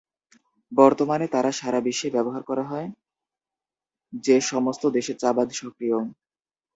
বর্তমানে, তারা সারা বিশ্বে ব্যবহার করা হয়, যে সমস্ত দেশে চাবাদ সক্রিয়।